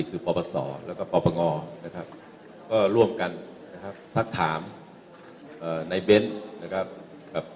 คือเปาปทแล้วก็เปาปังอนะครับก็ร่วมกันนะครับ